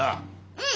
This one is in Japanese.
うん！